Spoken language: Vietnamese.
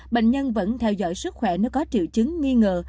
bệnh nhân vẫn theo dõi sức khỏe nếu có triệu chứng nghi ngờ